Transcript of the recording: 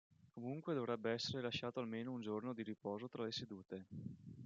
Comunque dovrebbe essere lasciato almeno un giorno di riposo tra le sedute.